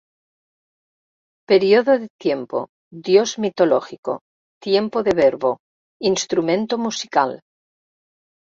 «periodo de tiempo», «Dios mitológico», «tiempo de verbo», «instrumento musical»...